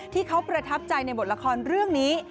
ที่เขาประทับใจในบทละครเรื่องนี้